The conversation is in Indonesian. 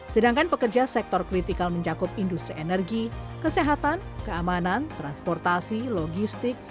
sedangkan pekerja sektor kritikal mencakup industri energi kesehatan keamanan transportasi logistik